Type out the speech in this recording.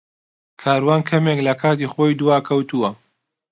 کاروان کەمێک لە کاتی خۆی دواکەوتووە.